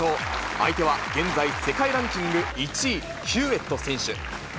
相手は現在、世界ランキング１位、ヒューエット選手。